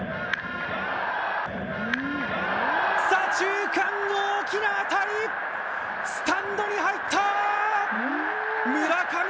左中間の大きな当たり、スタンドに入った！